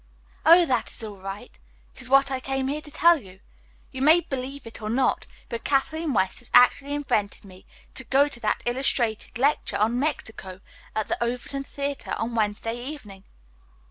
"Oh, that is all right. It is what I came here to tell you. You may believe it or not, but Kathleen West has actually invited me to go to that illustrated lecture on 'Mexico' at the Overton theatre on Wednesday evening."